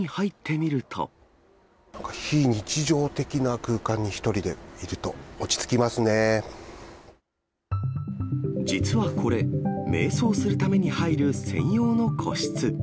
なんか非日常的な空間に１人実はこれ、めい想するために入る専用の個室。